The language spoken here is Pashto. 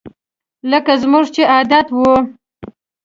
لکه زموږ چې عادت وو